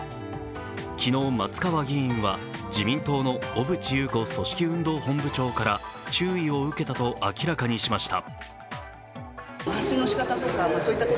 昨日、松川議員は自民党の小渕優子組織運動本部長から注意を受けたと明らかにしました。